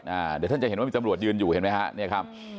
เดี๋ยวท่านจะเห็นว่ามีตำรวจยืนอยู่เห็นไหมฮะเนี่ยครับ